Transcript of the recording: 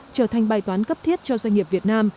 trở thành bài toán cấp thiết cho doanh nghiệp việt nam